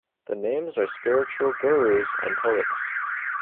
The names are spiritual gurus and poets.